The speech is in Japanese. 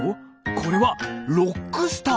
これはロックスターだな。